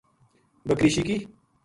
بکری شِیکی